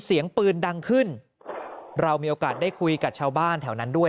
เสียงปืนดังขึ้นเรามีโอกาสได้คุยกับชาวบ้านแถวนั้นด้วย